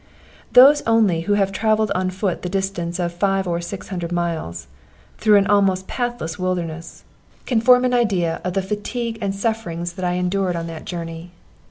Those only who have travelled on foot the distance of five or six hundred miles, through an almost pathless wilderness, can form an idea of the fatigue and sufferings that I endured on that journey.